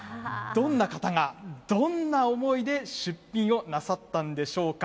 どんな方がどんな思いで出品をなさったんでしょうか。